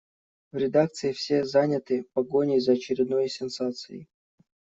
В редакции все заняты погоней за очередной сенсацией.